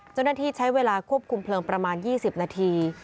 เจ้าหน้าที่ใช้เวลาควบคุมเพลิงประมาณ๒๐นาที